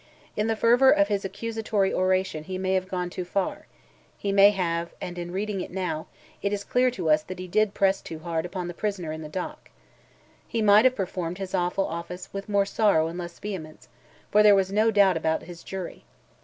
In the fervour of his accusatory oration he may have gone too far; he may have, and in reading it now, it is clear to us that he did press too hard upon the prisoner in the dock. He might have performed his awful office with more sorrow and less vehemence, for there was no doubt about his jury.